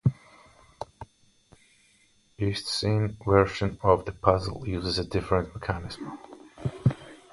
The Eastsheen version of the puzzle uses a different mechanism.